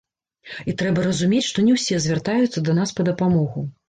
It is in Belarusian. І трэба разумець, што не ўсе звяртаюцца да нас па дапамогу.